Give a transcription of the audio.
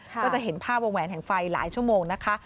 ก็จะเห็นภาพวงแหวนแห่งไฟหลายชั่วโมงนะคะ